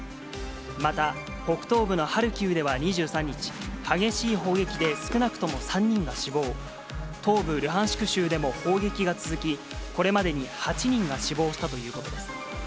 また、北東部のハルキウでは２３日、激しい砲撃で、少なくとも３人が死亡、東部ルハンシク州でも砲撃が続き、これまでに８人が死亡したということです。